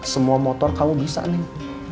semua motor kamu bisa neng